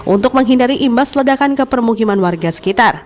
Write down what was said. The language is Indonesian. untuk menghindari imbas ledakan ke permukiman warga sekitar